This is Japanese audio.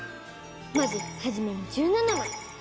まずはじめに１７まい。